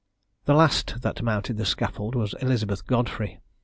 The last that mounted the scaffold was Elizabeth Godfrey.